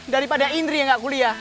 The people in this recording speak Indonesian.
daripada indri yang gak kuliah